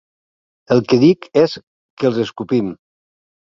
El que dic és que els escopim!